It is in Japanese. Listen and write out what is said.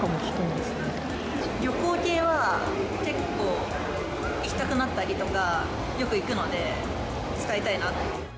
旅行系は、結構行きたくなったりとか、よく行くので、使いたいな。